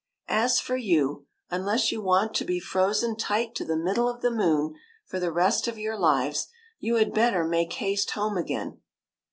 As for you, unless you want to be frozen tight to the middle of the moon for the rest of your lives, you had better make haste home again."